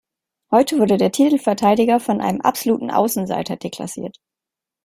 Heute wurde der Titelverteidiger von einem absoluten Außenseiter deklassiert.